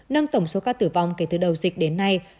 nâng tổng số ca tử vong kể từ đầu dịch đến nay